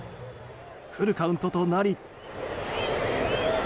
フルカウントとなり。